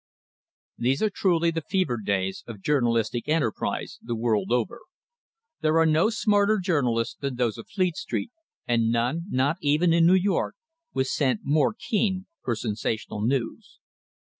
These are truly the fevered days of journalistic enterprise the world over. There are no smarter journalists than those of Fleet Street, and none, not even in New York, with scent more keen for sensational news.